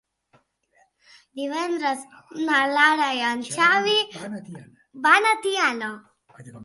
Divendres na Lara i en Xavi van a Tiana.